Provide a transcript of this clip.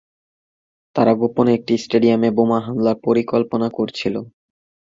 তারা গোপনে একটি স্টেডিয়ামে বোমা হামলার পরিকল্পনা করছিল।